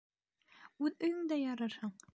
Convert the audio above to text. Үҙ өйөңдә ярырһың!